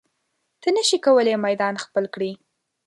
ته نشې کولی میدان خپل کړې.